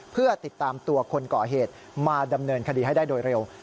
เพื่อติดตามตัวคนก่อเหตุมาดำเนินคดีให้ได้โดยเร็ว